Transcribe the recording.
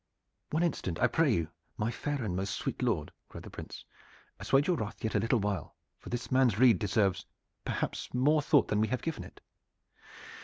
"One instant, I pray you, my fair and most sweet lord," cried the Prince. "Assuage your wrath yet a little while, for this man's rede deserves perhaps more thought than we have given it.